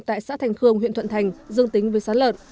tại xã thành khương huyện thuận thành dương tính với sán lợn